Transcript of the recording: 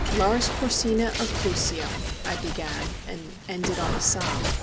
"Lars Porsena of Clusium,——" I began; and ended on a sob.